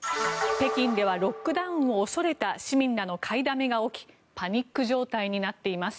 北京ではロックダウンを恐れた市民らの買いだめが起きパニック状態になっています。